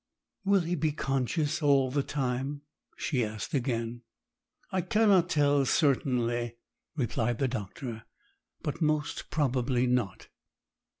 'Will he be conscious all the time?' she asked again. 'I cannot tell certainly,' replied the doctor, 'but most probably not.'